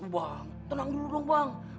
bang tenang dulu dong bang